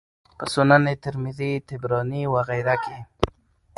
په سنن ترمذي، طبراني وغيره کي